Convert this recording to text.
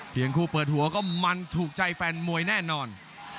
คู่เปิดหัวก็มันถูกใจแฟนมวยแน่นอน